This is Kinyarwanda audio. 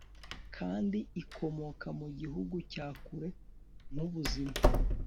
kandi ikomoka mu gihugu cya kure nkubuzima